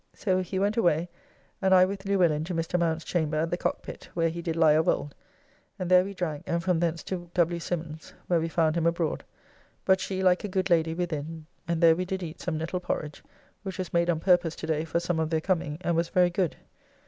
So he went away, and I with Luellin to Mr. Mount's chamber at the Cockpit, where he did lie of old, and there we drank, and from thence to W. Symons where we found him abroad, but she, like a good lady, within, and there we did eat some nettle porrige, which was made on purpose to day for some of their coming, and was very good.